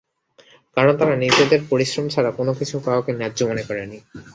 কারণ তারা নিজেদের পরিশ্রম ছাড়া কোনো কিছু পাওয়াকে ন্যায্য মনে করেনি।